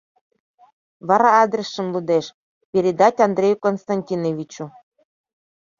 Вара адресшым лудеш: «Передать Андрею Константиновичу».